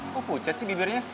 kok pucat sih bibirnya